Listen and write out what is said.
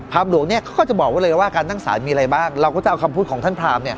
หลวงเนี่ยเขาก็จะบอกไว้เลยว่าการตั้งสารมีอะไรบ้างเราก็จะเอาคำพูดของท่านพรามเนี่ย